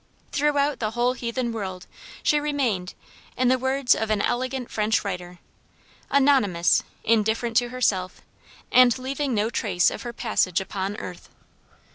Throughout the whole heathen world she remained, in the words of an elegant French writer, "anonymous, indifferent to herself, and leaving no trace of her passage upon earth."